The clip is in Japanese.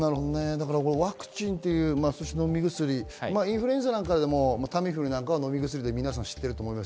ワクチン飲み薬、インフルエンザなんかでもタミフルなんかは飲み薬で知っていると思います。